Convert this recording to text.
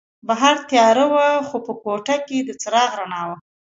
بهر تیاره وه خو په کوټه کې د څراغ رڼا وه.